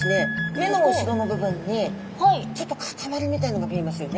目の後ろの部分にちょっと塊みたいなのが見えますよね。